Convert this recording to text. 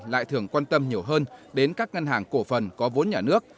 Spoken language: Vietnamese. lại thường quan tâm nhiều hơn đến các ngân hàng cổ phần có vốn nhà nước